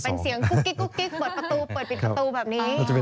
เป็นเสียงกุ๊กกิ๊กเปิดประตูเปิดปิดประตูแบบนี้